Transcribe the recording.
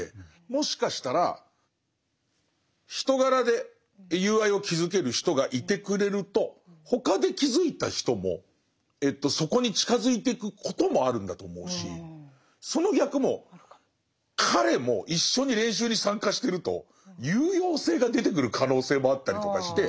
もしかしたら人柄で友愛を築ける人がいてくれると他で築いた人もそこに近づいてくこともあるんだと思うしその逆も彼も一緒に練習に参加してると有用性が出てくる可能性もあったりとかして。